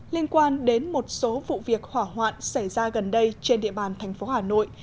liên quan đến một số vụ việc hỏa hoạn xảy ra gần đây trên địa bàn thành phố hà nội